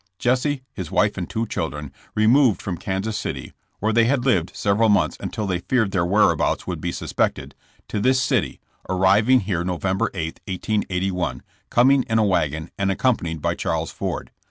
97 Jesse, his wife and two children, removed from Kansas City (where they had lived several months until they feared their whereabouts would be sus pected) to this city, arriving here November 8, 1881, coming in a wagon and accompanied by Charles Ford.